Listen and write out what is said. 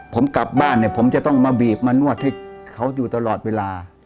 ผมกลับบ้านเนี่ยผมจะต้องมาบีบมานวดให้เขาอยู่ตลอดเวลา